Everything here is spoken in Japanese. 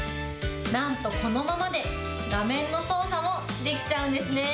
なんとこのままで画面の操作もできちゃうんですね。